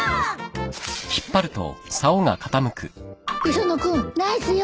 磯野君ナイスよ！